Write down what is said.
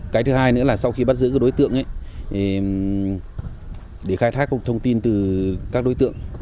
cái thứ hai nữa là sau khi bắt giữ các đối tượng ấy để khai thác thông tin từ các đối tượng